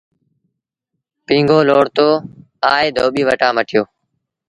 پيٚنگو لوڙتو آئي ڌوٻيٚ وٽآن مٽيو۔